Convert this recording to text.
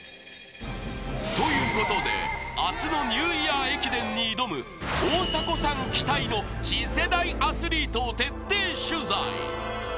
ということで明日のニューイヤー駅伝に挑む大迫さん期待の次世代アスリートを徹底取材。